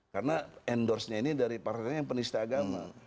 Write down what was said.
karena endorse nya ini dari partai partai penista agama